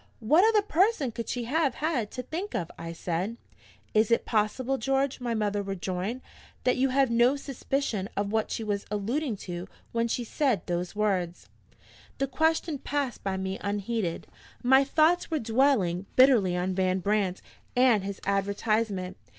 "What other person could she have had to think of?" I said. "Is it possible, George," my mother rejoined, "that you have no suspicion of what she was alluding to when she said those words?" The question passed by me unheeded: my thoughts were dwelling bitterly on Van Brandt and his advertisement.